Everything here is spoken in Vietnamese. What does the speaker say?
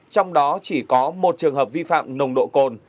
trong đó chỉ có một trường hợp vi phạm nồng độ cồn